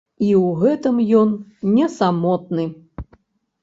І ў гэтым ён не самотны.